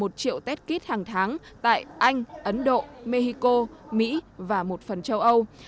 một triệu test kit hàng tháng tại anh ấn độ mexico mỹ và một phần châu âu